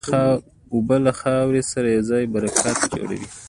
اوبه له خاورې سره یوځای برکت جوړوي.